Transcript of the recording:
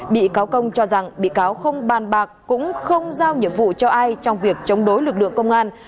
bị cáo công cho rằng bị cáo không bàn bạc cũng không giao nhiệm vụ cho ai trong việc chống đối lực lượng công an